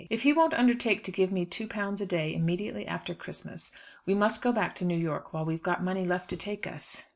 If he won't undertake to give me £2 a day immediately after Christmas, we must go back to New York while we've got money left to take us."